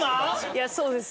いやそうです